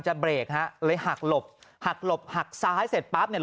เบรกฮะเลยหักหลบหักหลบหักซ้ายเสร็จปั๊บเนี่ย